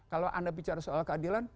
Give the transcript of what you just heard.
kalau anda bicara soal keadilan